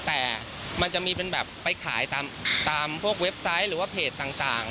แต่มันจะมีเป็นแบบไปขายตามพวกเว็บไซต์หรือว่าเพจต่าง